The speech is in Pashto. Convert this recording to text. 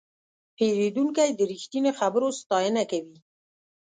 پیرودونکی د رښتیني خبرو ستاینه کوي.